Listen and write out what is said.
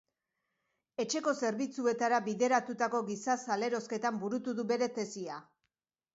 Etxeko zerbitzuetara bideratutako giza-salerosketan burutu du bere tesia.